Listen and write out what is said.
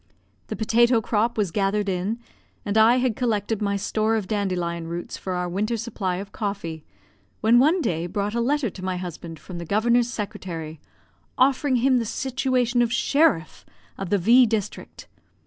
The potato crop was gathered in, and I had collected my store of dandelion roots for our winter supply of coffee, when one day brought a letter to my husband from the Governor's secretary, offering him the situation of sheriff of the V district.